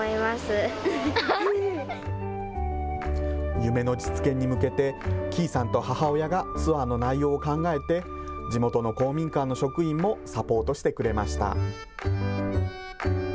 夢の実現に向けて、喜井さんと母親がツアーの内容を考えて、地元の公民館の職員もサポートしてくれました。